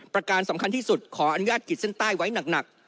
การสำคัญที่สุดขออนุญาตกิดเส้นใต้ไว้หนัก